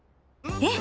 えっ？